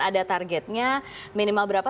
ada targetnya minimal berapa